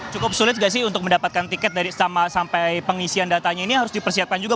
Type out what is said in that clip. cukup sulit gak sih untuk mendapatkan tiket sampai pengisian datanya ini harus dipersiapkan juga